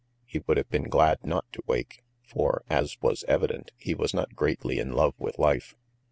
He would have been glad not to wake, for, as was evident, he was not greatly in love with life.